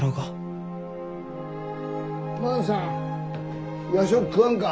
万さん夜食食わんか？